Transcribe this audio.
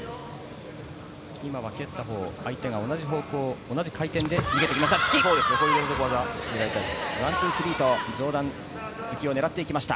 今は蹴った方、相手が同じ方向、回転で逃げていきました。